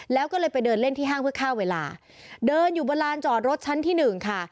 แล้วก็เลยไปเดินเล่นที่ห้างเพื่อค่าเวลาเดินอยู่บนลานจอดรถชั้นที่หนึ่งค่ะ